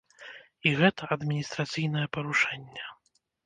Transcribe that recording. І гэта адміністрацыйнае парушэнне.